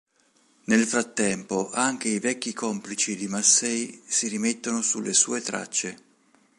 Nel frattempo anche i vecchi complici di Massey si rimettono sulle sue tracce.